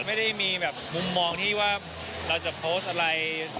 ไม่ได้มีแบบมุมมองที่ว่าเราจะโพสต์อะไร